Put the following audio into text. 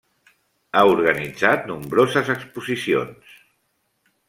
Ha organitzat nombroses exposicions.